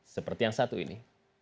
seperti yang satu ini